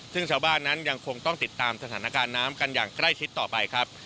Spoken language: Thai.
ซึ่งชาวบ้านนั้นยังคงต้องติดตามสถานการณ์น้ำกันอย่างใกล้ชิดต่อไปครับ